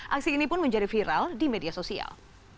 aksi ini pun menjadi viral di media sosial